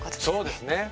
そうですね。